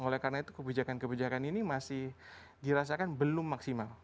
oleh karena itu kebijakan kebijakan ini masih dirasakan belum maksimal